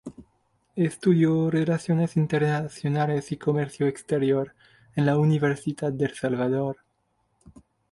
Estudió Relaciones Internacionales y Comercio Exterior en la Universidad del Salvador.